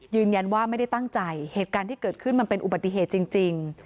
ยืนยันว่าไม่ได้ตั้งใจเหตุการณ์ที่เกิดขึ้นมันเป็นอุบัติเหตุจริง